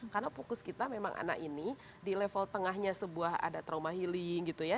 karena fokus kita memang anak ini di level tengahnya sebuah ada trauma healing gitu ya